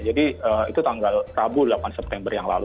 jadi itu tanggal rabu delapan september yang lalu